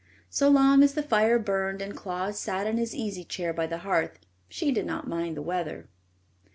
So long as the fire burned and Claus sat in his easy chair by the hearth she did not mind the weather.